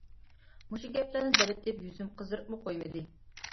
مۇشۇ گەپلەرنى دەۋېتىپ يۈزۈم قىزىرىپمۇ قويمىدى.